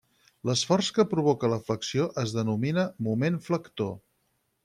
L'esforç que provoca la flexió es denomina moment flector.